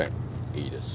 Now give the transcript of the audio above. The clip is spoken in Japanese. いいです。